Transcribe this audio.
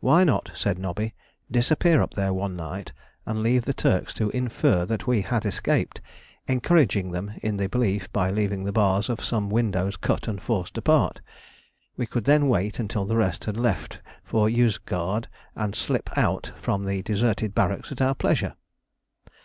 Why not, said Nobby, disappear up there one night and leave the Turks to infer that we had escaped, encouraging them in the belief by leaving the bars of some window cut and forced apart? We could then wait until the rest had left for Yozgad and slip out from the deserted barracks at our pleasure.